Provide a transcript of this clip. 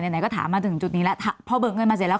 ไหนก็ถามมาถึงจุดนี้แล้วพอเบิกเงินมาเสร็จแล้ว